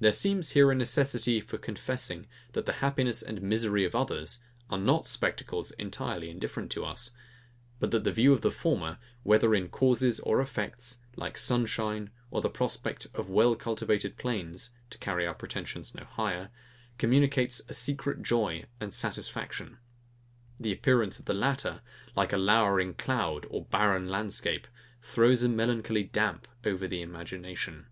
There seems here a necessity for confessing that the happiness and misery of others are not spectacles entirely indifferent to us; but that the view of the former, whether in its causes or effects, like sunshine or the prospect of well cultivated plains (to carry our pretensions no higher), communicates a secret joy and satisfaction; the appearance of the latter, like a lowering cloud or barren landscape, throws a melancholy damp over the imagination.